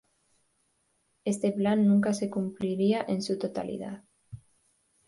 Este plan nunca se cumpliría en su totalidad.